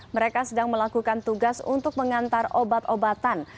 mereka sedang melakukan tugas untuk mengantar obat obatan